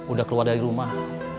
udah keluar dari rumah